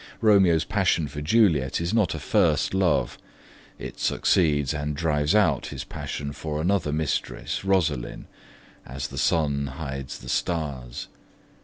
Romeo's passion for Juliet is not a first love: it succeeds and drives out his passion for another mistress, Rosaline, as the sun hides the stars.